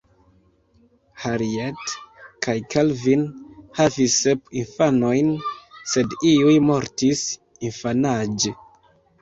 Harriet kaj Calvin havis sep infanojn, sed iuj mortis infanaĝe.